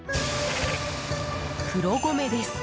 黒米です。